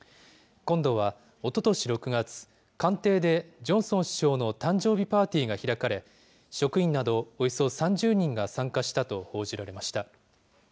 今度は、おととし６月、官邸でジョンソン首相の誕生日パーティーが開かれ、職員などおよそ３０人が参加したと報じられました。